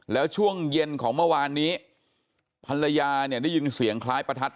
แล้วช่วงเย็นของเมื่อวานนี้ภรรยาเนี่ยได้ยินเสียงคล้ายประทัด